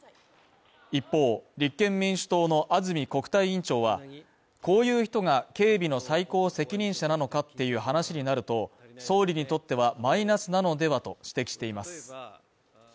一方、立憲民主党の安住国対委員長はこういう人が警備の最高責任者なのかっていう話になると、総理にとってはマイナスなのではと指摘しています